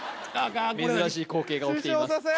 珍しい光景が起きています